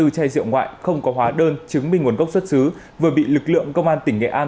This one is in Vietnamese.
ba bốn trăm bảy mươi bốn chai rượu ngoại không có hóa đơn chứng minh nguồn gốc xuất xứ vừa bị lực lượng công an tỉnh nghệ an